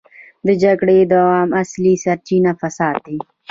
د جګړې د دوام اصلي سرچينه فساد دی.